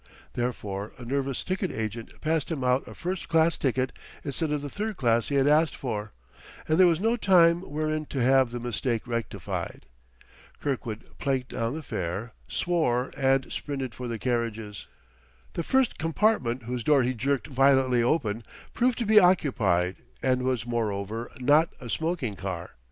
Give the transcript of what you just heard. Therefore a nervous ticket agent passed him out a first class ticket instead of the third class he had asked for; and there was no time wherein to have the mistake rectified. Kirkwood planked down the fare, swore, and sprinted for the carriages. The first compartment whose door he jerked violently open, proved to be occupied, and was, moreover, not a smoking car.